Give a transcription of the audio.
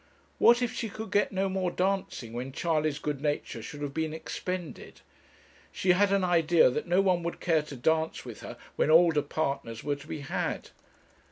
What if she should get no more dancing when Charley's good nature should have been expended? She had an idea that no one would care to dance with her when older partners were to be had.